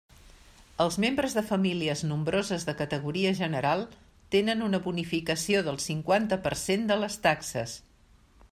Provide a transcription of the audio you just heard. Els membres de famílies nombroses de categoria general tenen una bonificació del cinquanta per cent de les taxes.